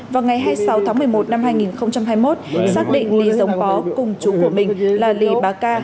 vào ngày hai mươi sáu tháng một mươi một năm hai nghìn hai mươi một xác định lì giống pó cùng chú của mình là lì bà ca